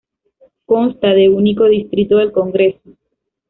Consta de único distrito del congreso.